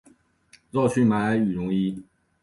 绕去买羽绒衣